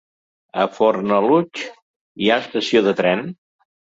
A Fornalutx hi ha estació de tren?